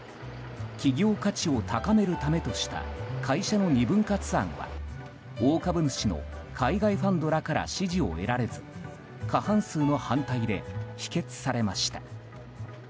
企業価値を高めるためとした会社の２分割案は大株主の海外ファンドなどから支持を得られず過半数の反対で否決されました。